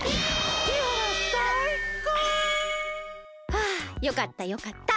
はあよかったよかった。